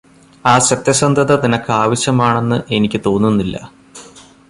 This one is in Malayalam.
ആ സത്യസന്ധത നിനക്ക് ആവശ്യം ആണെന്ന് എനിക്ക് തോന്നുന്നില്ല